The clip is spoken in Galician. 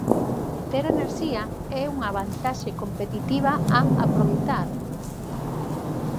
Ter enerxía é unha vantaxe competitiva a aproveitar.